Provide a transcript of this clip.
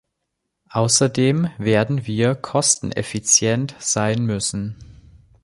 Außerdem werden wir kosteneffizient sein müssen.